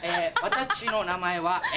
私の名前はえ